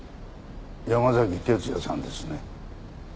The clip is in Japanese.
山崎哲也さんですね？